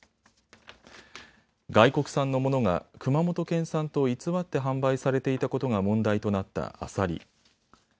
外国産のものが熊本県産と偽って販売されていたことが問題となったアサリ。